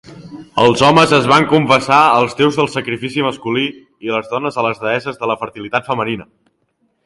Els homes es van confessar als déus del sacrifici masculí, i les dones a les deesses de la fertilitat femenina.